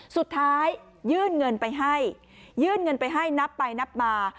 ยื่นเงินไปให้ยื่นเงินไปให้นับไปนับมา